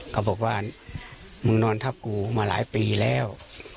เขาบอกว่ามึงนอนทับกูมาหลายปีแล้ว